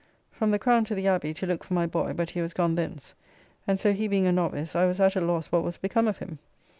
From the Crown to the Abbey to look for my boy, but he was gone thence, and so he being a novice I was at a loss what was become of him.